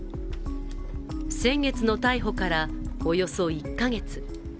先月の逮捕からおよそ１か月。